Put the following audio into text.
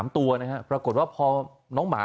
๓ตัวนะครับปรากฏว่าพอน้องหมา